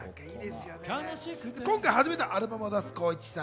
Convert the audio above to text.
今回、初めてアルバムを出す浩市さん。